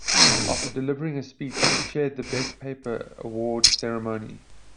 After delivering a speech, she chaired the best paper award ceremony.